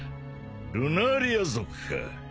ルナーリア族か。